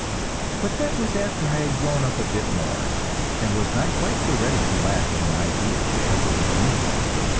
But that was after I had grown up a bit more, and was not quite so ready to laugh at an idea because it was new.